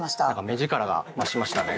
目力が増しましたね。